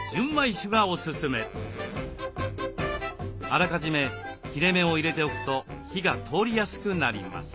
あらかじめ切れ目を入れておくと火が通りやすくなります。